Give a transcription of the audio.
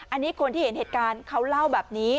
อันนี้คนที่เห็นเหตุการณ์เขาเล่าแบบนี้